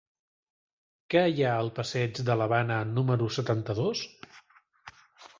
Què hi ha al passeig de l'Havana número setanta-dos?